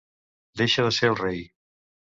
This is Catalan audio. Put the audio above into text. Deixa de ser el rei.